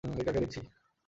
এ কাকে দেখছি।